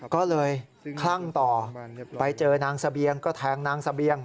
ก็เลยคลั่งต่อไปเจอนางเสบียงก็แทงนางเสบียง